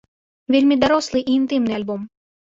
Вельмі дарослы і інтымны альбом.